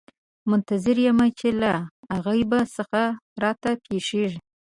منتظر یم چې له غیبه څه راته پېښېږي.